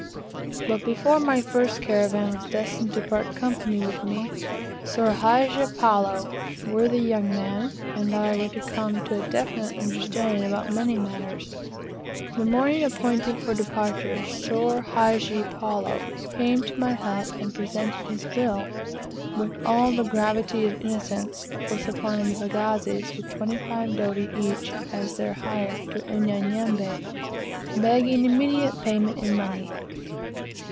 But before my first caravan was destined to part company with me, Soor Hadji Palloo worthy young man and I were to come to a definite understanding about money matters. The morning appointed for departure Soor Hadji Palloo came to my hut and presented his bill, with all the gravity of innocence, for supplying the pagazis with twenty five doti each as their hire to Unyanyembe, begging immediate payment in money.